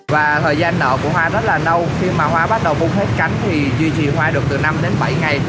và thời gian nợ của hoa rất là nâu khi mà hoa bắt đầu buông hết cánh thì duy trì hoa được từ năm đến bảy ngày